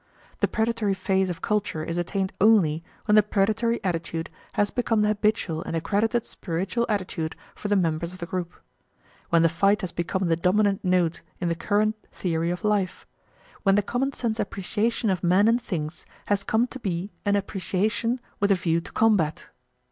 The predatory phase of culture is attained only when the predatory attitude has become the habitual and accredited spiritual attitude for the members of the group; when the fight has become the dominant note in the current theory of life; when the common sense appreciation of men and things has come to be an appreciation with a view to combat.